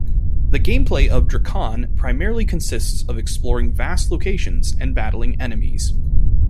The gameplay of Drakan primarily consists of exploring vast locations and battling enemies.